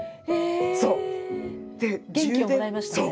「元気をもらいました」って？